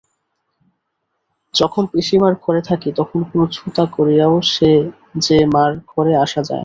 যখন পিসিমার ঘরে থাকি তখন কোনো ছুতা করিয়াও যে মার ঘরে আসে না।